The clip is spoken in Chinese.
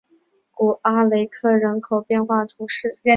古阿雷克人口变化图示